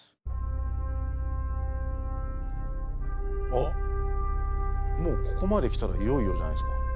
あっもうここまで来たらいよいよじゃないですか。